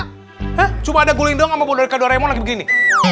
hah cuma ada guling doang sama bodoh deka doraemon lagi begini